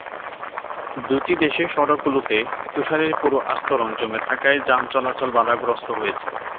দুটি দেশের সড়কগুলোতে তুষারের পুরু আস্তরণ জমে থাকায় যান চলাচল বাধাগ্রস্ত হয়েছে।